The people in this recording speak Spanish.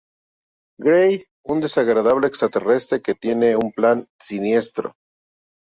Gray", un desagradable extraterrestre que tiene un plan siniestro.